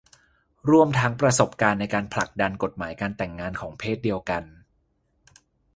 ร่วมทั้งประสบการณ์ในการผลักดันกฎหมายการแต่งงานของเพศเดียวกัน